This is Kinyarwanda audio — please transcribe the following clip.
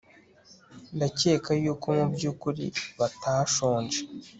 ndakeka yuko mubyukuri batashonje